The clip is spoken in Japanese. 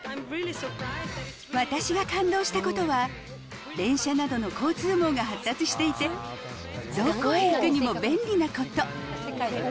私が感動したことは、電車などの交通網が発達していて、どこへ行くにも便利なこと。